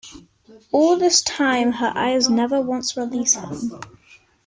All this time her eyes never once release him.